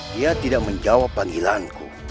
dia tidak menjawab panggilanku